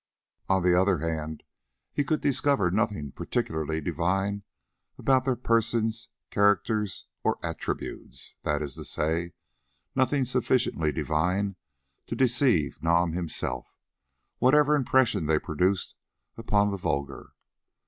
On the other hand he could discover nothing particularly divine about their persons, characters, or attributes—that is to say, nothing sufficiently divine to deceive Nam himself, whatever impression they produced upon the vulgar.